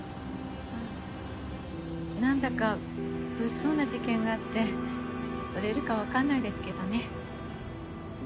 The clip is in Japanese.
あぁ何だか物騒な事件があって売れるか分かんないですけどね。